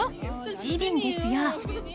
ジュビンですよ。